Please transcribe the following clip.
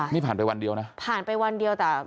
นี่ผ่านไปวันเดียวนะผ่านไปวันเดียวแต่